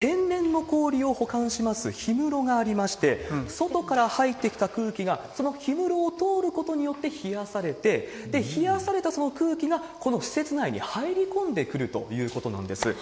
実はね、この施設内に天然の氷を保管します氷室がありまして、外から入ってきた空気がその氷室を通ることによって冷やされて、冷やされたその空気がこの施設内に入り込んでくるということなんです。